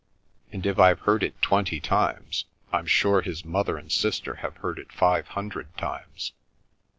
And if I've heard it twenty times, I'm sure his mother and sister have heard it five hundred times.